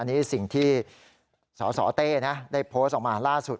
อันนี้สิ่งที่สสเต้นะได้โพสต์ออกมาล่าสุด